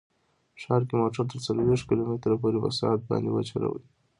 ښار کې موټر تر څلوېښت کیلو متره پورې په ساعت باندې وچلوئ